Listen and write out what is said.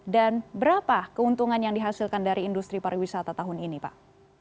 dan berapa keuntungan yang dihasilkan dari industri pariwisata tahun ini pak